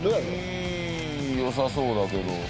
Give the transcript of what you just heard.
よさそうだけど。